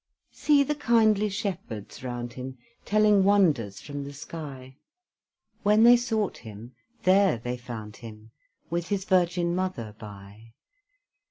See the kindly shepherds round him, Telling wonders from the sky! When they sought Him, there they found Him, With his Virgin Mother by.